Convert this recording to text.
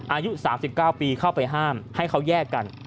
อายุ๓๙ปีเข้าไปห้ามให้เขาแยกกัน